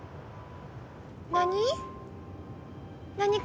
何？